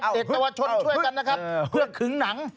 เด็กเยาวชนช่วยกันนะครับเพื่อขึงหนัง